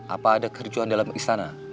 apa ada kerjaan dalam istana